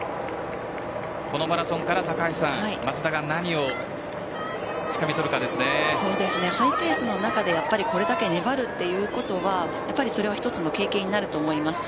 このマラソンから松田が何をハイペースの中でこれだけ粘るということは１つの経験になると思います。